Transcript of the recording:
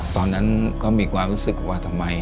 ตอนนั้นก็มีความรู้สึกว่าทำไม